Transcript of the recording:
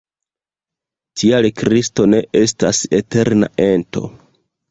Tial Kristo ne estas eterna ento.